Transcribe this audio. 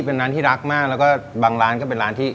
เป็นร้านที่รักมากแล้วก็บางร้านก็เป็นร้านที่